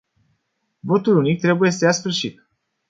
Votul unic trebuie să ia sfârșit.